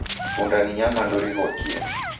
Punda ni nyamandu righokie.